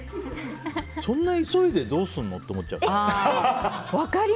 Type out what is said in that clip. そんな急いでどうするの？って思っちゃう。